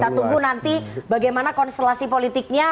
kita tunggu nanti bagaimana konstelasi politiknya